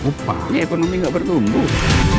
upahnya ekonomi gak bertumbuh